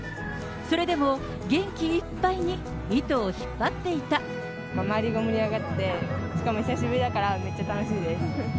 それでも、元気いっぱいに糸を引周りが盛り上がって、しかも久しぶりだから、めっちゃ楽しいです。